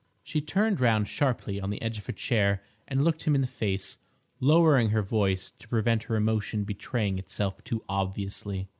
She turned round sharply on the edge of her chair and looked him in the face, lowering her voice to prevent her emotion betraying itself too obviously.